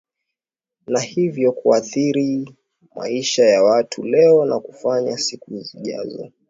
na hivyo kuathiri maisha ya watu leo na kufanya siku zijazo